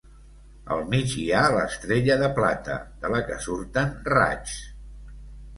Al mig hi ha l'Estrella de Plata, de la que surten raigs.